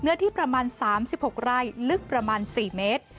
เนื้อที่ประมาณ๓๖ไรค์ลึกประมาณ๔เมตร